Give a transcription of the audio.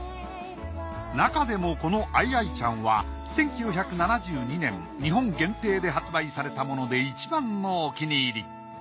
なかでもこのアイアイちゃんは１９７２年日本限定で発売されたもので１番のお気に入り。